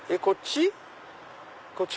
こっち？